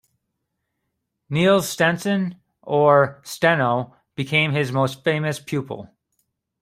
Niels Stensen or Steno became his most famous pupil.